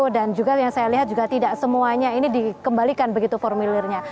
dan juga yang saya lihat juga tidak semuanya ini dikembalikan begitu formulirnya